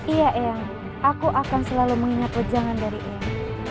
iya eyang aku akan selalu mengingat ujangan dari eyang